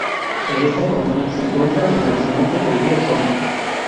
En esta comuna se encuentra el nacimiento del río Somme.